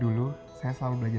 oleh itu yo